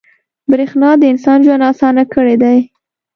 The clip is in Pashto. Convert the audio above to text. • برېښنا د انسان ژوند اسانه کړی دی.